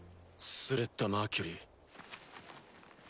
スレッタ・マーキュリー。